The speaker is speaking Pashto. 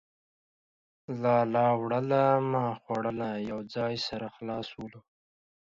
لالا وړوله ما خوړله ،. يو ځاى سره خلاص سولو.